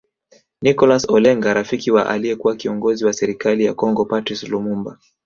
Nicholas Olenga rafiki wa aliekua kiongozo wa serikali ya Kongo Patrice Lumumba